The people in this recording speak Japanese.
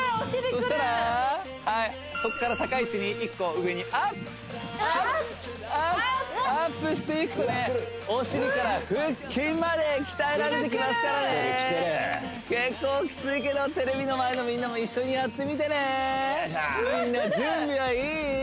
そしたらはいここから高い位置に一個上にアップアップアップアップしていくとねお尻から腹筋まで鍛えられてきますからね結構キツイけどテレビの前のみんなも一緒にやってみてねみんな準備はいい？